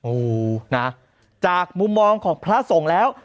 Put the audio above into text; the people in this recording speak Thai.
โอ้โหนะจากมุมมองของพระสงฆ์แล้ว